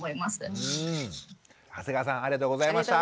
長谷川さんありがとうございました。